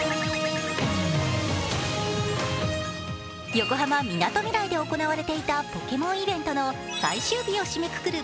横浜みなとみらいで行われていたポケモンイベントの最終日を締めくくる